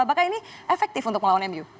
apakah ini efektif untuk melawan mu